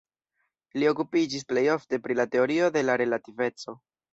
Li okupiĝis plej ofte pri la teorio de la relativeco.